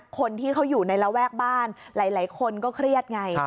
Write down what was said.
คนที่เขาอยู่ในระแวกบ้านหลายคนก็เครียดไง